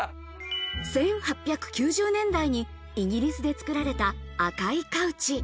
１８９０年代にイギリスで作られた、赤いカウチ。